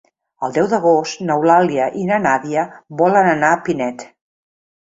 El deu d'agost n'Eulàlia i na Nàdia volen anar a Pinet.